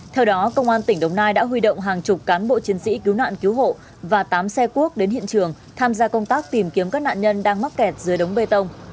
theo đó công an tỉnh đồng nai đã huy động hàng chục cán bộ chiến sĩ cứu nạn cứu hộ và tám xe cuốc đến hiện trường tham gia công tác tìm kiếm các nạn nhân đang mắc kẹt dưới đống bê tông